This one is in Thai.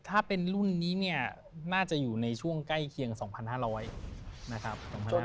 ถ้าเป็นรุ่นนี้เนี่ยน่าจะอยู่ในช่วงใกล้เคียง๒๕๐๐นะครับ